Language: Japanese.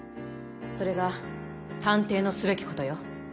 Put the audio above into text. それが探偵のすべきことよ